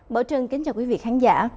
bảo trân kính chào quý vị khán giả